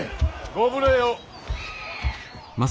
ご無礼を。